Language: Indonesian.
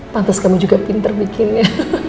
pantas kamu juga pinter bikinnya